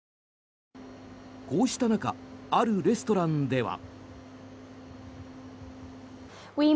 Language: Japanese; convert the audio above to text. こうした中あるレストランでは。